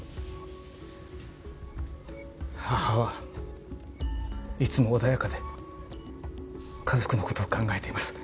母はいつも穏やかで家族の事を考えています。